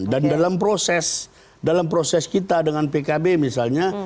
dan dalam proses dalam proses kita dengan pkb misalnya